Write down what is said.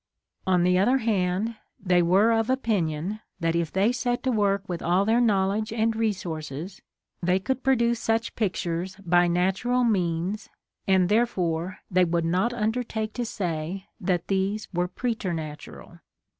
On the other hand, they were of opinion that if they set to work with all their knowledge and resources they could produce such pictures by natural means, and therefore they would not undertake to say that these were preternatural.